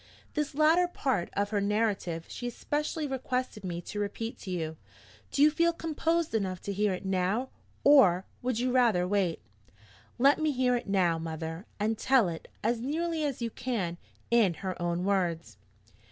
This latter part of her narrative she especially requested me to repeat to you. Do you feel composed enough to hear it now? Or would you rather wait?" "Let me hear it now, mother; and tell it, as nearly as you can, in her own words."